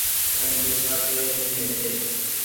اون پئيسا ڪيري ڏيڻي هيتي۔